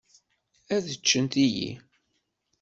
Ad ččen tiyi.